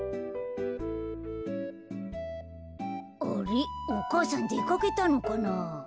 あれっお母さんでかけたのかな。